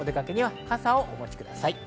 傘をお持ちください。